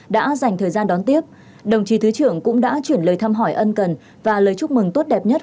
đã dành thời gian đón tiếp đồng chí thứ trưởng cũng đã chuyển lời thăm hỏi ân cần và lời chúc mừng tốt đẹp nhất